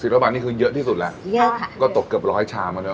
ว่าบาทนี่คือเยอะที่สุดแล้วเยอะค่ะก็ตกเกือบร้อยชามอ่ะเนอ